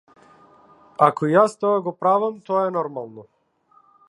Ако и јас тоа го правам, тоа е нормално.